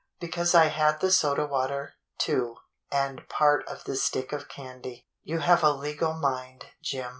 " "Because I had the soda water, too, and part of the stick of candy." "You have a legal mind, Jim.